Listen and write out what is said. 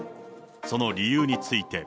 その理由について。